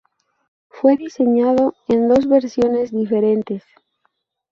Fue diseñado en dos versiones diferentes.